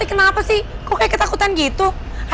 sekalipun sebenarnya awak juga